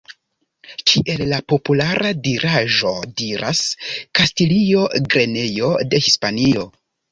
Kiel la populara diraĵo diras: "Kastilio, grenejo de Hispanio".